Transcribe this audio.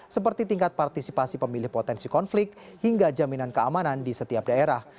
seperti tingkat partisipasi pemilih potensi konflik hingga jaminan keamanan di setiap daerah